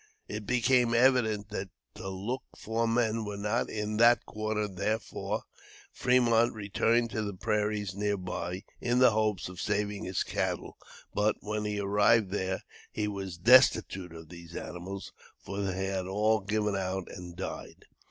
It became evident that the looked for men were not in that quarter; therefore, Fremont returned to the prairies near by, in the hopes of saving his cattle; but, when he arrived there, he was destitute of these animals, for they had all given out and died.